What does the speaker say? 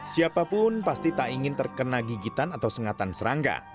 siapapun pasti tak ingin terkena gigitan atau sengatan serangga